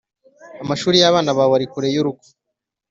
– amashuri y’abana bawe ari kure y’urugo.